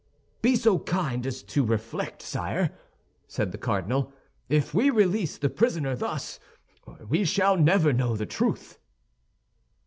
"Be so kind as to reflect, sire," said the cardinal. "If we release the prisoner thus, we shall never know the truth."